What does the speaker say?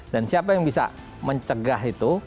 dan siapa yang bisa mencegah itu